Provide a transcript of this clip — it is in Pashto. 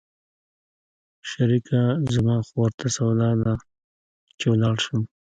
شريکه زما خو ورته سودا ده چې ولاړ سم.